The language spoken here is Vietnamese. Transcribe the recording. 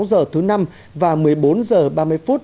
sáu h thứ năm và một mươi bốn h ba mươi phút